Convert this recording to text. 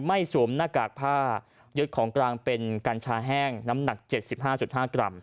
สวมหน้ากากผ้ายึดของกลางเป็นกัญชาแห้งน้ำหนัก๗๕๕กรัม